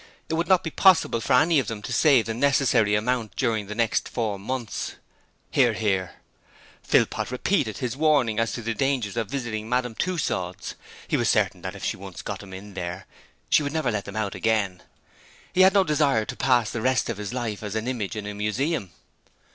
It would not be possible for any of them to save the necessary amount during the next four months. (Hear, hear.) Philpot repeated his warning as to the danger of visiting Madame Tussaud's. He was certain that if she once got them in there she would never let them out again. He had no desire to pass the rest of his life as an image in a museum.